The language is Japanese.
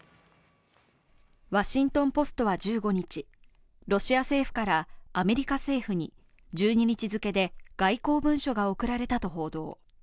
「ワシントン・ポスト」は１５日、ロシア政府からアメリカ政府に１２日付で外交文書が送られたと報道。